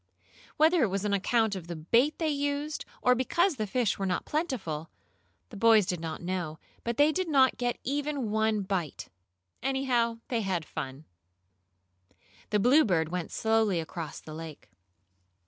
Whether it was on account of the bait they used, or because the fish were not plentiful, the boys did not know, but they did not get even one bite. Anyhow, they had fun. The Bluebird went slowly across the lake.